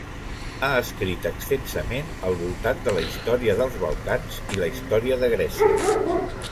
Ha escrit extensament al voltant de la història dels Balcans i la història de Grècia.